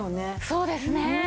そうですね。